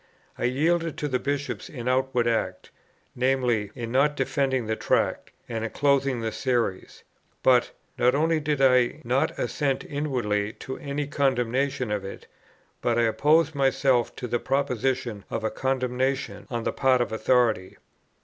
I yielded to the Bishops in outward act, viz. in not defending the Tract, and in closing the Series; but, not only did I not assent inwardly to any condemnation of it, but I opposed myself to the proposition of a condemnation on the part of authority.